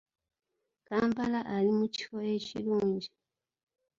Kampala ali mu kifo ekirungi .